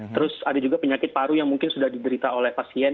terus ada juga penyakit paru yang mungkin sudah diberita oleh pasien